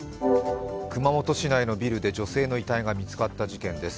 熊本市内のビルで女性の遺体が見つかった事件です。